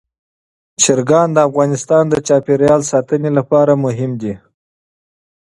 چرګان د افغانستان د چاپیریال ساتنې لپاره مهم دي.